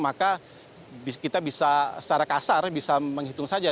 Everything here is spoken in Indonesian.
maka kita bisa secara kasar bisa menghitung saja